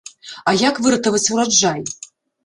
А як выратаваць ураджай?